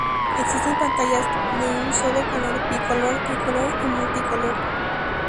Existen pantallas de un solo color, bicolor, tricolor y multicolor.